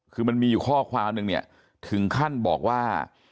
คือมันมีข้อความหนึ่งถึงขั้นบอกว่า